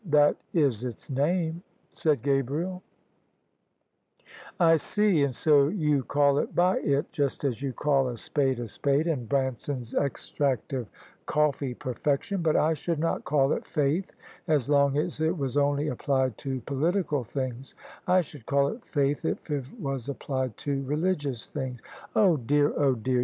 That is its name," said GabrieL THE SUBJECTION "I see: and so you call it by It, just as you call a spade a spade, and Branson's Extract of Coffee perfection. But I should not call it faith as long as it was only applied to political things: I should call it faith if it was applied to religious things." "Oh, dear, oh, dear!